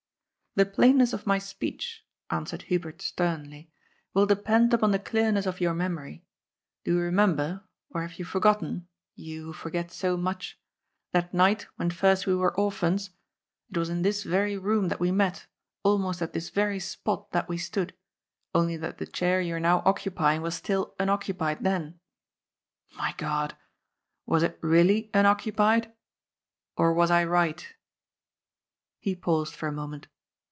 " The plainness of my speech," answered Hubert stern ly, " will depend upon the clearness of your memory. Do you remember — or have you forgotten, you, who forget so much ?— that night when first we were orphans ? It was in this very room that we met, almost at this very spot that we stood, only that the chair you are now occupying was still unoccupied then. My God, was it really unoccupied ? Or was I right?" He paused for a moment.